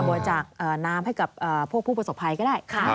บริจาคน้ำให้กับพวกผู้ประสบภัยก็ได้